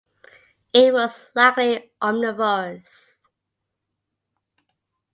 It was likely omnivorous.